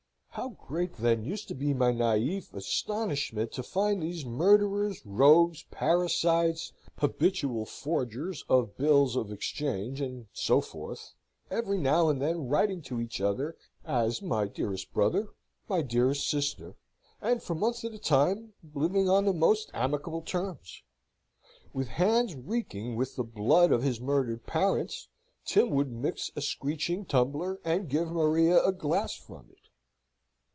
How great then used to be my naif astonishment to find these murderers, rogues, parricides, habitual forgers of bills of exchange, and so forth, every now and then writing to each other as "my dearest brother," "my dearest sister," and for months at a time living on the most amicable terms! With hands reeking with the blood of his murdered parents, Tim would mix a screeching tumbler, and give Maria a glass from it.